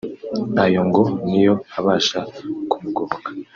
ayo ngo niyo abasha kumugoboka